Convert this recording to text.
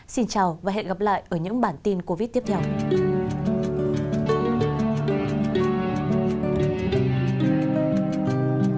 xin chào và hẹn gặp lại ở những bản tin covid tiếp theo